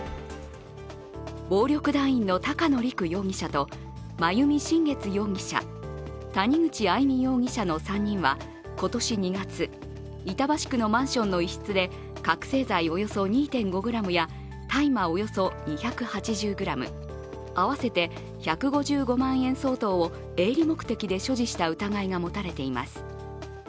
暴力団員の高野陸容疑者と真弓心月容疑者、谷口愛美容疑者の３人は今年２月板橋区のマンションの一室で覚醒剤およそ２．５ｇや大麻およそ２８０ｇ、合わせて１５５万円相当を営利目的で所持した疑いが持たれています。